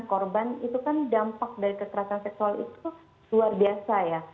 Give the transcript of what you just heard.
korban itu kan dampak dari kekerasan seksual itu luar biasa ya